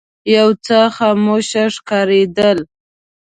یو څه خاموش ښکارېدل.